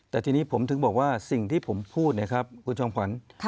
แต่ทีนี้ผมถึงบอกว่าสิ่งที่ผมพูดเนี่ยครับคุณจอมขวัญ